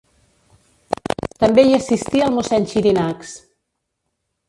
També hi assistí el mossèn Xirinacs.